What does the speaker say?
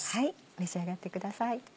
召し上がってください。